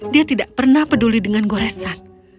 dia tidak pernah peduli dengan goresan